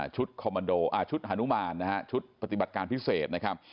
ชุดฮานุมานชุดปฏิบัติการพิเศษนะครับ